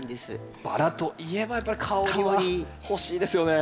バラといえばやっぱり香りは欲しいですよね。